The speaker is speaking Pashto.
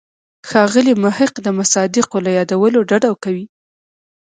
ښاغلی محق د مصادقو له یادولو ډډه کوي.